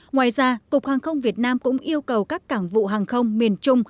ngoài ra cục hàng không việt nam cũng yêu cầu các cảng vụ hàng không miền trung